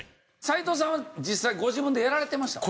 斉藤さんは実際ご自分でやられてました？